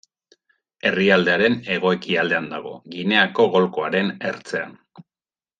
Herrialdearen hego-ekialdean dago, Gineako golkoaren ertzean.